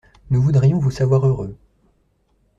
Nous voudrions vous savoir heureux.